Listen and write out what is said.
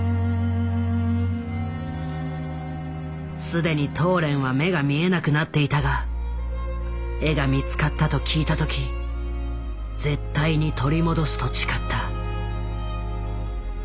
既にトーレンは目が見えなくなっていたが絵が見つかったと聞いた時絶対に取り戻すと誓った。